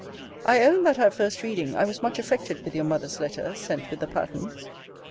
I own, that (at first reading) I was much affected with your mother's letter sent with the patterns.